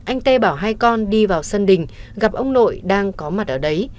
anh tê bảo hai con đi vào sân đình gặp ông nội đang có mặt ở đấy